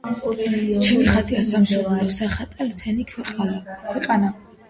ჩემი ხატია სამშობლო, სახატე მთელი ქვეყანა.